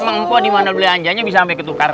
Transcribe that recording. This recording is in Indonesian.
emang empoh dimana belanjanya bisa sampai ketuker